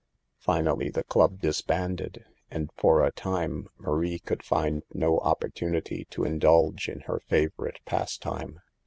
Finally the club disbanded, and for a time Marie could find no opportunity to indulge in her favorite pastime.